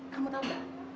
kamu tahu gak